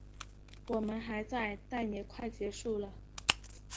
我们还在，但也快结束了